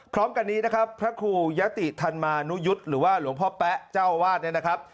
พร้อมกันนี้นะครับพระครูยะติธรรมานุยุทธ์หรือว่าหลวงพ่อแป๊ะเจ้าอาวาสเนี่ยนะครับ